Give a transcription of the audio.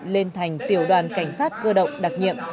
lên thành tiểu đoàn cảnh sát cơ động đặc nhiệm